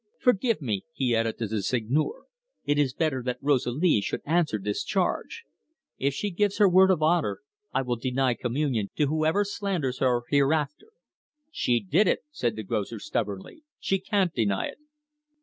"Forgive me," he added to the Seigneur. "It is better that Rosalie should answer this charge. If she gives her word of honour, I will deny communion to whoever slanders her hereafter." "She did it," said the grocer stubbornly. "She can't deny it."